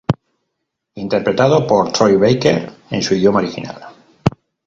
Interpretado por Troy Baker en su idioma original.